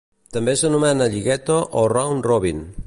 També s'anomena lligueta o round-robin.